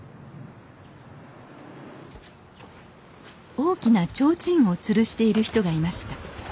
大きな提灯をつるしている人がいました。